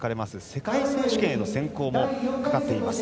世界選手権の選考もかかっています。